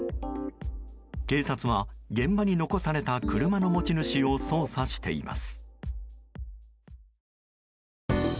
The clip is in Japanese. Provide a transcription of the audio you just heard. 警察は現場に残された車の持ち主を捜査しています。